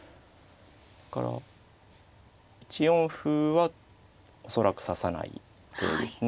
だから１四歩は恐らく指さない手ですね。